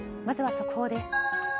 まずは速報です。